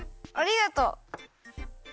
ありがとう！